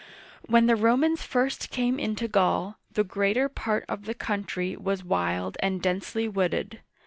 When the Romans first came into Gaul, the greater part of the country was wild and densely wooded.